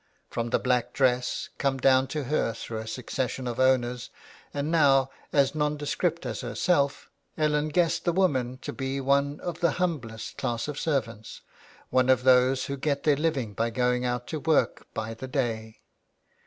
From the black dress, come down to her through a succession of owners and now as nondescript as herself, Ellen guessed the woman to be one of the humblest class of servants, one of those who get their living by going out to work by the day.